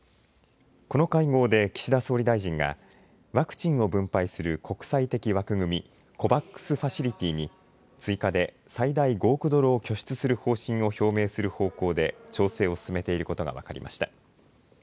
この会合で岸田総理大臣がワクチンを分配する国際的枠組み、ＣＯＶＡＸファシリティに追加で最大５億ドルを拠出する方針を表明する方向で調整を進めていることが分かりました。